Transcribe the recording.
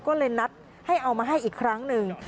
ก็เลยนัดให้เอามาให้อีกครั้งหนึ่ง